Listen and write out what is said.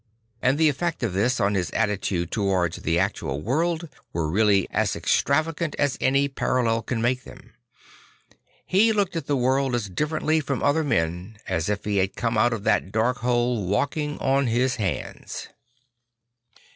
And the effects of this on his attitude towards the actual world were really as extravagant as any parallel can make them. He looked at the world as differently from other men as if he had come out of that dark hole walking on his hands.